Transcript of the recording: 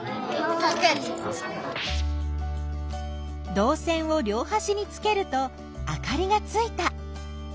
どう線を両はしにつけるとあかりがついた。